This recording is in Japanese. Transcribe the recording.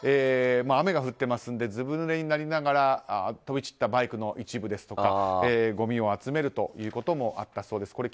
雨が降っているのでずぶ濡れになりながら飛び散ったバイクの一部ですとかごみを集めるということもあったそうです。